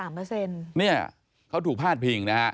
๓เปอร์เซ็นต์เค้าถูกพลาดเพียง